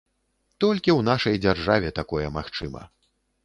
Толькі ў нашай дзяржаве такое магчыма.